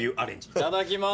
いただきます！